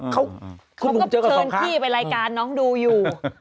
เขาก็เชิญพี่ไปรายการน้องดูอยู่